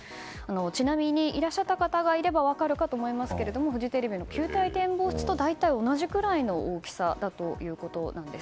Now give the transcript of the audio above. ちなみに、いらっしゃった方がいれば分かると思いますけれどもフジテレビの球体展望室と大体同じ大きさだということです。